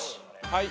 はい。